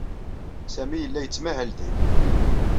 Sami yella yettmahal din.